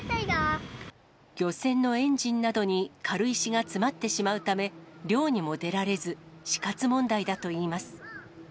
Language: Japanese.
漁船のエンジンなどに軽石が詰まってしまうため、漁にも出られず、死活問題だといいます。